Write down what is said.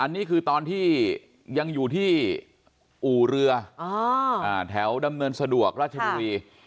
นี่คือตอนที่ยังอยู่ที่อู่เรือแถวดำเนินสะดวกราชบุรี